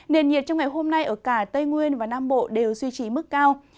nền nhiệt trong ngày hôm nay ở cả tây nguyên và nam bộ đều duy trì mức cao